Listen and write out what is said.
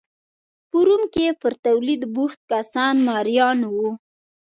په روم کې پر تولید بوخت کسان مریان وو